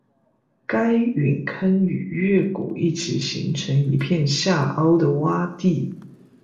该陨坑与月谷一起形成一片下凹的洼地。